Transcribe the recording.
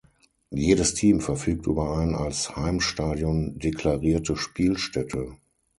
Jedes Team verfügt über ein als Heimstadion deklarierte Spielstätte.